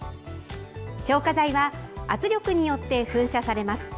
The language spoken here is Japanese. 消火剤は圧力によって噴射されます。